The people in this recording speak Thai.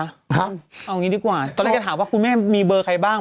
เอางี้ดีกว่าตอนแรกจะถามว่าคุณแม่มีเบอร์ใครบ้าง